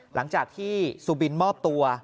หลังจากที่ซูบินมอบตัว